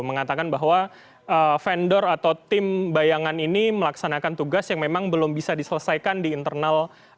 mengatakan bahwa vendor atau tim bayangan ini melaksanakan tugas yang memang belum bisa diselesaikan di internal